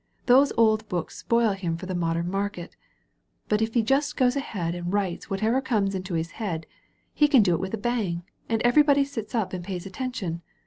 Those old books spoil him for the modem market. But if he just goes ahead and writes whatever comes into his head, he can do it with a bang, and every body sits up and pays attention.